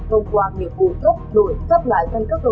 bằng quả nghiệp vụ tốc đổi